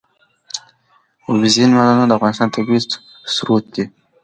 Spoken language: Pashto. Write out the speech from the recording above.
اوبزین معدنونه د افغانستان طبعي ثروت دی.